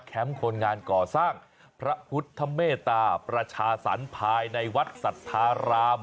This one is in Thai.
แคมป์คนงานก่อสร้างพระพุทธเมตตรประชาสันภายในวัดศรรรยาม